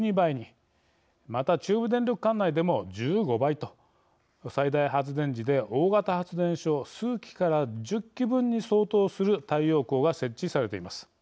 また中部電力管内でも１５倍と最大発電時で大型発電所数基から１０基分に相当する太陽光が設置されています。